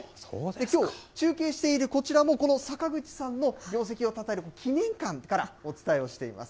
きょう、中継しているこちらも、この坂口さんの業績をたたえる記念館からお伝えをしています。